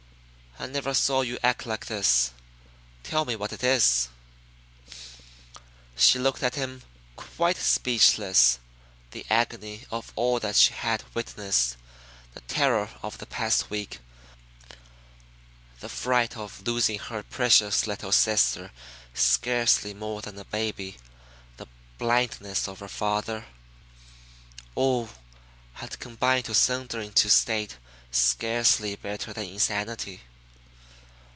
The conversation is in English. "I never saw you act like this. Tell me what it is." She looked at him quite speechless. The agony of all that she had witnessed, the terror of the past week, the fright of losing her precious little sister scarcely more than a baby, the blindness of her father, all had combined to send her into state scarcely better than insanity.